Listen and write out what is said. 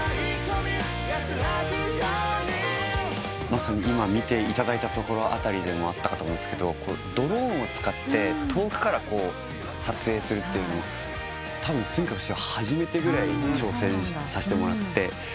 まさに今見ていただいたところあたりであったかと思うんですけどドローンを使って遠くから撮影するってたぶんｓｕｍｉｋａとしては初めてぐらいに挑戦させてもらって。